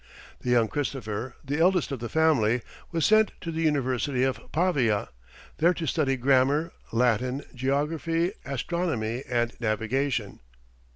The young Christopher, the eldest of the family, was sent to the University of Pavia, there to study Grammar, Latin, Geography, Astronomy, and Navigation.